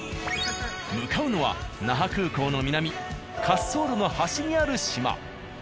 向かうのは那覇空港の南滑走路の端にある島。